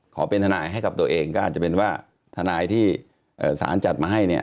เป็นทนายให้กับตัวเองก็อาจจะเป็นว่าทนายที่สารจัดมาให้เนี่ย